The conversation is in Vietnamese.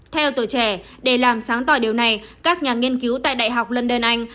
theo tổ trẻ để làm sáng tỏa điều này các nhà nghiên cứu tại đại học london anh